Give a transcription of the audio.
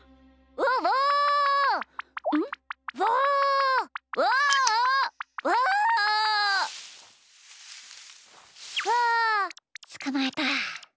ウオつかまえた。